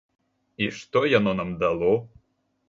І што яно нам дало?